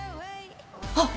あっ！